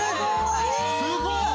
すごーい！